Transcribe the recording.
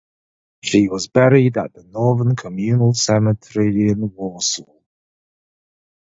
She was buried at the Northern Communal Cemetery in Warsaw.